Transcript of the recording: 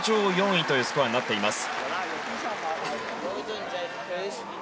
４位というスコアになっています。